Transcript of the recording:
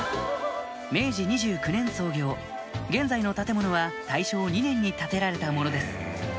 明治２９年創業現在の建物は大正２年に建てられたものです